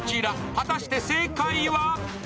果たして正解は？